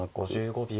５５秒。